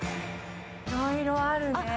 いろいろあるね。